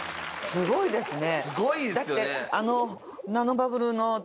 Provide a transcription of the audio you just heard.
すごいですよね！